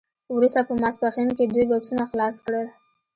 وروسته په ماسپښین کې دوی بکسونه خلاص کړل